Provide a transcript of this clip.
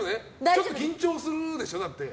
ちょっと緊張するでしょ？